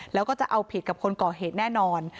แล้วก็จะเอาผิดกับคนก่อเหตุแน่นอน